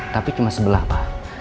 tapi cuma sebelah pak